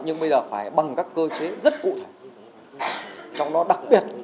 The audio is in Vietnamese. nhưng bây giờ phải bằng các cơ chế rất cụ thể trong đó đặc biệt